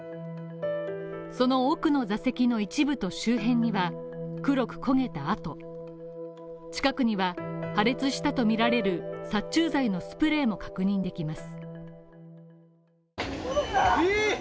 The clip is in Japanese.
その奥には座席の一部と周辺には黒く焦げた跡と近くには破裂したとみられる殺虫剤のスプレーも確認できます。